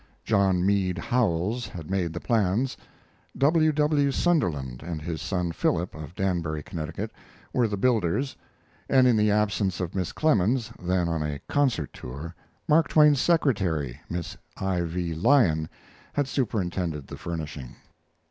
John Mead Howells had made the plans; W. W. Sunderland and his son Philip, of Danbury, Connecticut, were the builders, and in the absence of Miss Clemens, then on a concert tour, Mark Twain's secretary, Miss I. V. Lyon, had superintended the furnishing.